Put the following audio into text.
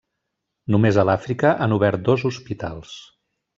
Només a l'Àfrica han obert dos hospitals.